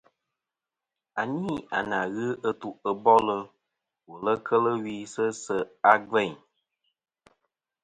A ni a na ghɨ ɨtu bolɨ wùl kel wi sɨ se ' a gveyn.